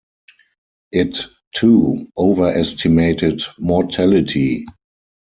It, too, overestimated mortality.